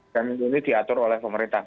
dan ini diatur oleh pemerintah